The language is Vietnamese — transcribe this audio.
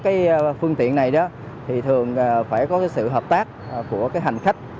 cái phương tiện này đó thì thường phải có cái sự hợp tác của các loại taxi công nghệ xe hợp đồng